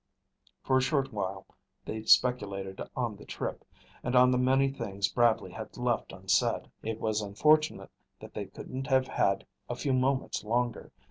For a short while they speculated on the trip, and on the many things Bradley had left unsaid. It was unfortunate that they couldn't have had a few moments longer.